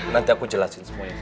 nanti aku jelasin semua ya